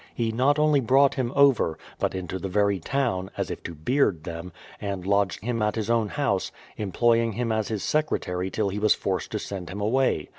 He not only brought him over, but into the very town (as if to beard them), and lodged him at his own house, employing him as his secre tary till he was forced to send him away.